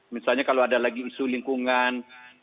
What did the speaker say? misalnya kalau ada lagi isu lingkungan